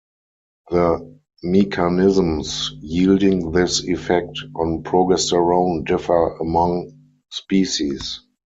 The mechanisms yielding this effect on progesterone differ among species.